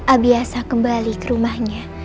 abiasa kembali ke rumahnya